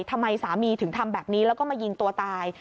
ทำไมสามีถึงทำแบบนี้แล้วก็มายิงตัวตาย